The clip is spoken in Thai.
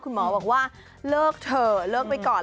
บอกว่าเลิกเถอะเลิกไปก่อน